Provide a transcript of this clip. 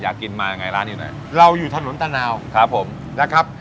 อยากกินมายังไงร้านอยู่ไหนเราอยู่ถนนตะนาวครับผมนะครับ